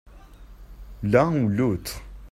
l'un ou l'autre.